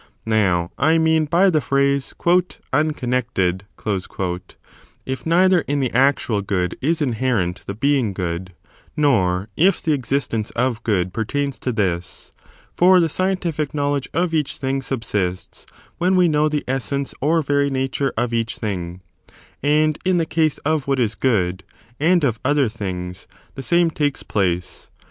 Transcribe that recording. Now, I mean by the phrase " un connected," if neither in the actual good is inherent the being good, nor if the existence of good pertains to this ; for the scientific knowledge of each thing subsists when we know the essence or very nature of each thing: and in the case of what is good, and of other things, the same takes place.